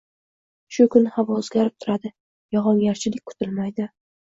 Shu kuni havo o‘zgarib turadi, yog‘ingarchilik kutilmaydi